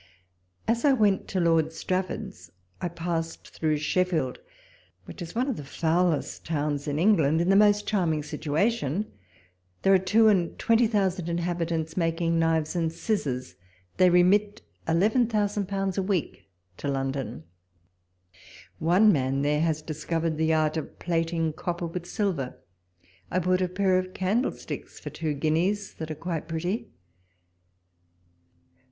As I went to Lord Strafford's I passed through tVALPOLE S LETTERS. (< Sheffield, which is one of the foulest towns in England in the most charming situation ; there are two and twenty thousand inhabitants mak ing knives and scissors : they remit eleven thou sand pounds a week to London. One man there has discovered the art of plating copper with silver ; I bought a pair of candle sticks for two guineas that are quite pretty.